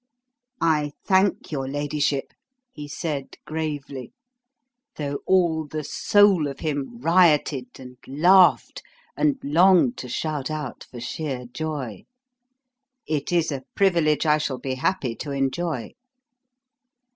"I thank your ladyship," he said gravely though all the soul of him rioted and laughed and longed to shout out for sheer joy. "It is a privilege I shall be happy to enjoy."